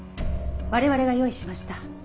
我々が用意しました。